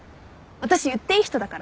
私言っていい人だから。